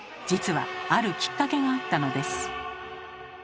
実はあるきっかけがあったのです。